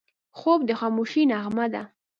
خوب د خاموشۍ نغمه ده